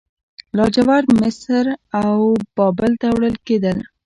لاجورد مصر او بابل ته وړل کیدل